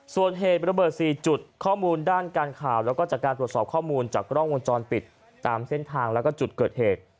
ส่วนเหตุระเบิด๔จุดข้อมูลด้านการข่าวแล้วก็จากการตรวจสอบข้อมูลจากกล้องวงจรปิดตามเส้นทางแล้วก็จุดเกิดเหตุ